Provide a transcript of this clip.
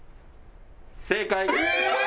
正解！